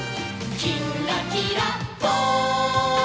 「きんらきらぽん」